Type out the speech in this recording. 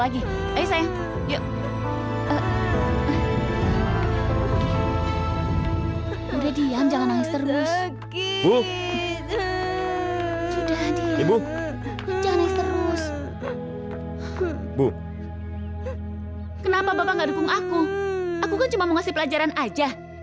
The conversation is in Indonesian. aku kan cuma mau ngasih pelajaran aja